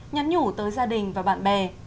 nhắn nhủ tới gia đình và bạn bè